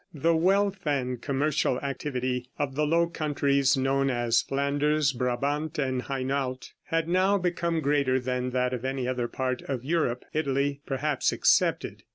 The wealth and commercial activity of the Low Countries, known as Flanders, Brabant and Hainault, had now become greater than that of any other part of Europe, Italy perhaps excepted.